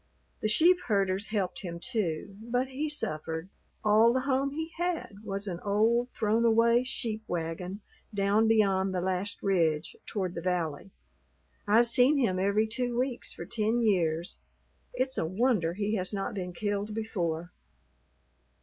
The sheep herders helped him, too. But he suffered. All the home he had was an old, thrown away sheep wagon down beyond the last ridge toward the valley. I've seen him every two weeks for ten years. It's a wonder he has not been killed before."